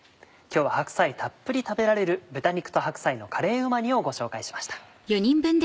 今日は白菜たっぷり食べられる「豚肉と白菜のカレーうま煮」をご紹介しました。